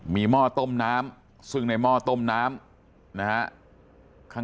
มีหม้อต้มน้ำซึ่งในหม้อต้มน้ำนะฮะ